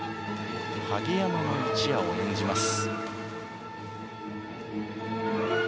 「禿山の一夜」を演じます。